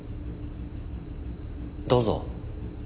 どうぞ。